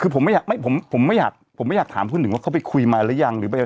คือผมไม่อยากถามพูดหนึ่งว่าเขาไปคุยมาหรือยัง